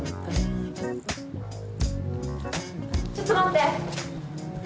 ちょっと待って！